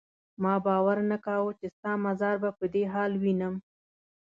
ما باور نه کاوه چې ستا مزار به په دې حال وینم.